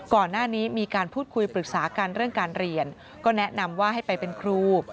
ก่อนหน้านี้มีการพูดคุยปรึกษากันเรื่องการเรียนก็แนะนำว่าให้ไปเป็นครู